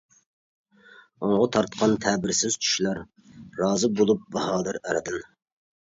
ئوڭغا تارتقان تەبىرسىز چۈشلەر، رازى بولۇپ باھادىر ئەردىن!